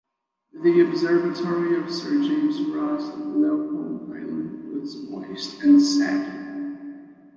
The observatory of Sir James Ross at Leopold Island was moist and saggy.